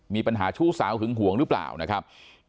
มีปัญหาชู้สาวหึงห่วงหรือเปล่านะครับ